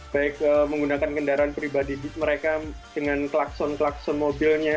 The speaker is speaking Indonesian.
baik menggunakan kendaraan pribadi mereka dengan klakson klakson mobilnya